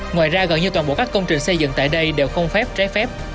ngoài ra gần như toàn bộ các công trình xây dựng tại đây đều không phép trái phép